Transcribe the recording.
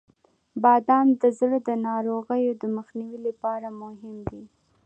• بادام د زړه د ناروغیو د مخنیوي لپاره مهم دی.